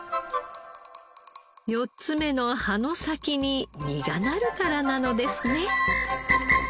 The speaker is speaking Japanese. ４つ目の葉の先に実がなるからなのですね。